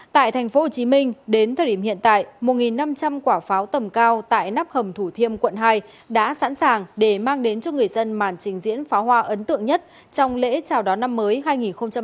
tại tp hcm đến thời điểm hiện tại một năm trăm linh quả pháo tầm cao tại nắp hầm thủ thiêm quận hai đã sẵn sàng để mang đến cho người dân màn trình diễn pháo hoa ấn tượng nhất trong lễ chào đón năm mới hai nghìn hai mươi